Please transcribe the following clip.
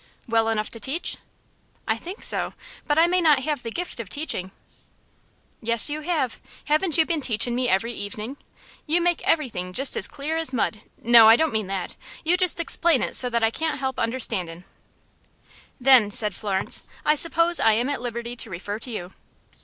"Well enough to teach?" "I think so; but I may not have the gift of teaching." "Yes, you have. Haven't you been teachin' me every evenin'? You make everything just as clear as mud no, I don't mean that. You just explain so that I can't help understandin'." "Then," said Florence, "I suppose I am at liberty to refer to you."